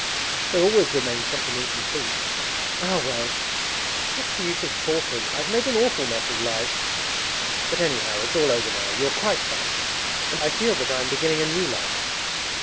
There always remains something incomplete. Ah well! What's the use of talking? I've made an awful mess of life! But anyhow it's all over now; you are quite right. And I feel that I am beginning a new life.'